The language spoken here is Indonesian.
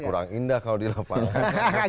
kurang indah kalau di lapangan